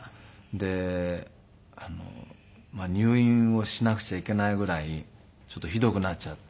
で入院をしなくちゃいけないぐらいちょっとひどくなっちゃって。